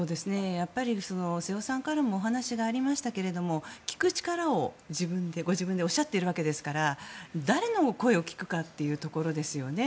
瀬尾さんからもお話がありましたが聞く力をご自分でおっしゃっているわけですから誰の声を聞くかっていうところですよね。